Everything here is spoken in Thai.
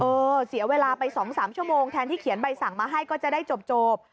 เสียเวลาไป๒๓ชั่วโมงแทนที่เขียนใบสั่งมาให้ก็จะได้จบ